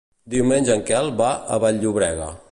Diumenge en Quel va a Vall-llobrega.